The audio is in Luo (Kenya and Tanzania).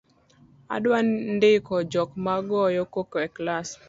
Adwa ndiko jok ma goyo koko e klas